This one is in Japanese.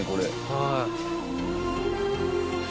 はい。